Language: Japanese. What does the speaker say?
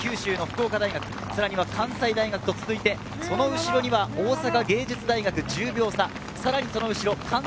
九州の福岡大学、さらに関西大学と続いて、その後ろには大阪芸術大学、１０秒差。